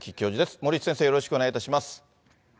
森内先生、よろしくお願いいたします。